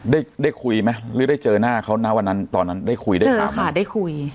ได้ได้คุยไหมหรือได้เจอหน้าเขานะวันนั้นตอนนั้นได้คุยได้ไหมครับค่ะได้คุย